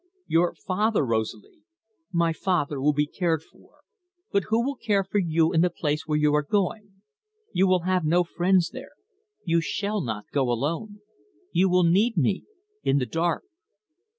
"Your father, Rosalie " "My father will be cared for. But who will care for you in the place where you are going? You will have no friends there. You shall not go alone. You will need me in the dark."